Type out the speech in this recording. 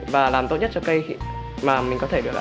và làm tốt nhất cho cây mà mình có thể được ạ